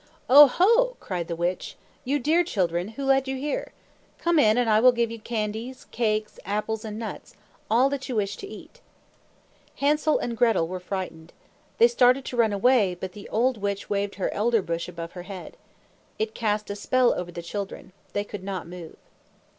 "Oh, ho!" cried the witch. "You dear children, who led you here? Come in, and I will give you candies, cakes, apples, and nuts all that you wish to eat!" Hansel and Gretel were frightened. They started to run away, but the old witch waved her Elder Bush above her head. It cast a spell over the children. They could not move.